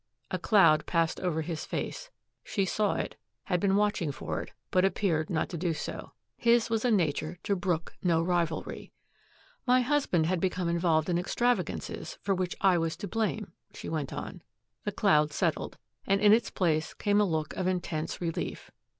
A cloud passed over his face. She saw it, had been watching for it, but appeared not to do so. His was a nature to brook no rivalry. "My husband had become involved in extravagances for which I was to blame," she went on. The cloud settled, and in its place came a look of intense relief.